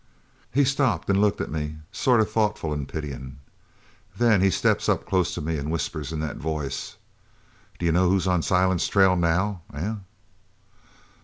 "He stopped an' looked at me sort of thoughtful an' pityin'. Then he steps up close to me an' whispers in that voice: 'D'you know who's on Silent's trail now? Eh?'